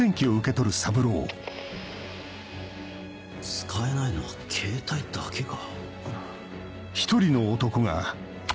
使えないのはケータイだけか。